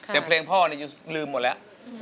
แต่เพลงพ่อเนี่ยลืมหมดแล้ว